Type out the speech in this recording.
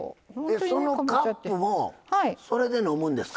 そのカップをそれで飲むんですか。